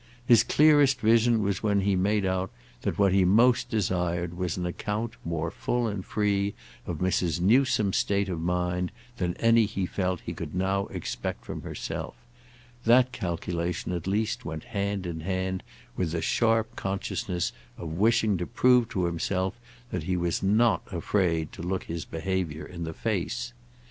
His clearest vision was when he made out that what he most desired was an account more full and free of Mrs. Newsome's state of mind than any he felt he could now expect from herself; that calculation at least went hand in hand with the sharp consciousness of wishing to prove to himself that he was not afraid to look his behaviour in the face.